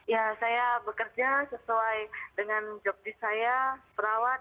ya saya bekerja sesuai dengan job di saya perawat